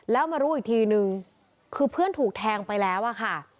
แล้วมารู้อีกทีนึงคือเพื่อนถูกแทงไปแล้วอะค่ะ